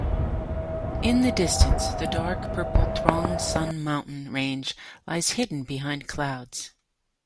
In the distance, the dark purple Truong Son Mountain range lies hidden behind clouds.